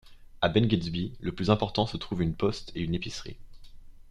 A Bengstby, le plus important, se trouve une poste et une épicerie.